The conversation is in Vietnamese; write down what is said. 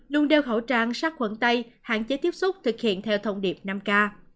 luôn đeo khẩu trang sát khuẩn tay hạn chế tiếp xúc thực hiện theo thông điệp năm k